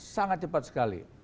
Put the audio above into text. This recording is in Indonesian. sangat cepat sekali